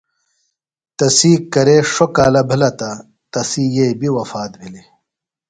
تسی کرے ݜوۡ کالہ بِھلہ تہ تسی یئی بیۡ وفات بِھلیۡ۔